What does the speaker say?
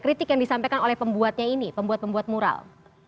kritik yang disampaikan oleh pembuatnya ini pembuat pembuat mural